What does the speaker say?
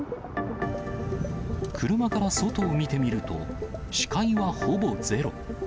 車から外を見てみると、視界はほぼゼロ。